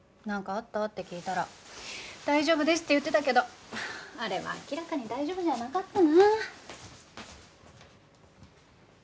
「なんかあった？」って聞いたら「大丈夫です」って言ってたけどあれは明らかに大丈夫じゃなかったな。